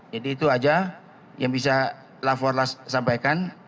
jadi itu saja yang bisa lapor sampaikan